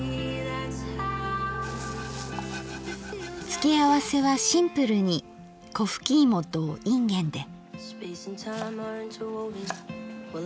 付け合わせはシンプルにこふき芋といんげんで。